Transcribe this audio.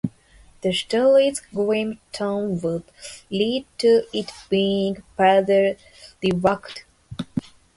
The story's grim tone would lead to it being further re-worked.